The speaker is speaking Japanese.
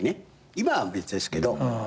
今は別ですけど。